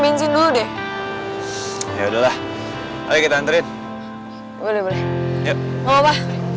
nantri boleh boleh ngomong ya